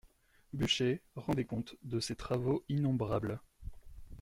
Buchez rendait compte de ses travaux innombrables.